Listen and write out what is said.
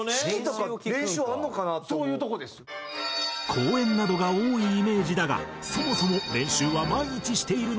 公演などが多いイメージだがそもそも練習は毎日しているのか？